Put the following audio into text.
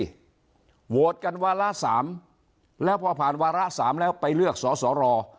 โหวตกันวาระ๓แล้วพอผ่านวาระ๓แล้วไปเลือกสอสอรอ